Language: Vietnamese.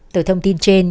từ thông tin trên